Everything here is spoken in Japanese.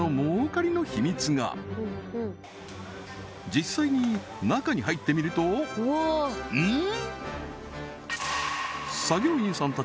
実際に中に入ってみるとうん？